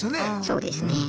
そうですね。